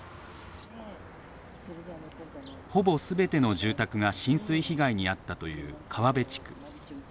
ほぼ全ての住宅が浸水被害に遭ったという川辺地区。